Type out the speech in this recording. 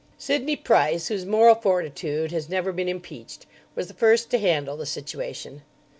Sidney Price, whose moral fortitude has never been impeached, was the first to handle the situation.